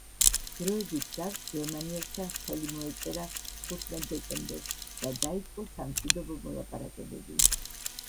დროებით ზავს გერმანიასთან ხელი მოეწერა თხუთმეტ დეკემბერს და დაიწყო სამშვიდობო მოლაპარაკებები